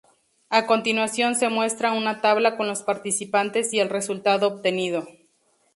A continuación se muestra una tabla con los participantes y el resultado obtenido.